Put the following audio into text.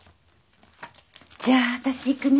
じゃあ私行くね。